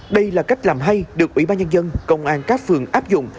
đây là cách làm hay được ủy ban nhân dân công an các phường áp dụng